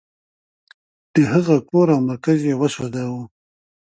د هغه کور او مرکز یې وسوځاوه.